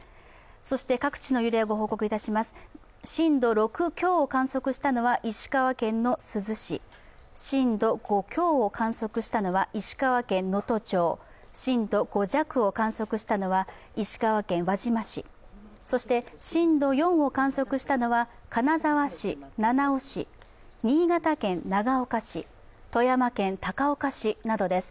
そして、各地の揺れご報告いたします震度６強を観測したのは石川県の珠洲市、震度５強を観測したのは石川県能登町震度５弱を観測したのは石川県輪島市、そして震度４を観測したのは金沢市、七尾市、新潟県長岡市、富山県高岡市などです。